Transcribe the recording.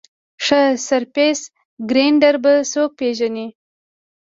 ښه سرفېس ګرېنډر به څوک پېژني ؟